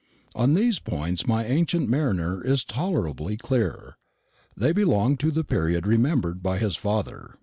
On these points my ancient mariner is tolerably clear. They belong to the period remembered by his father.